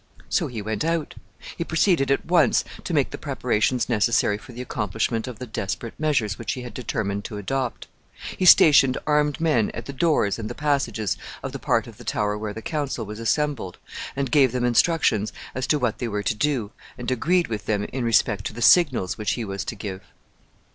So he went out. He proceeded at once to make the preparations necessary for the accomplishment of the desperate measures which he had determined to adopt. He stationed armed men at the doors and the passages of the part of the Tower where the council was assembled, and gave them instructions as to what they were to do, and agreed with them in respect to the signals which he was to give.